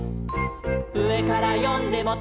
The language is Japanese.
「うえからよんでもト・マ・ト」